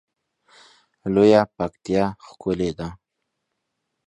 لویه پکتیا ښکلی ده